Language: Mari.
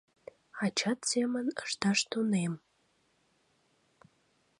Ачат семын ышташ тунем!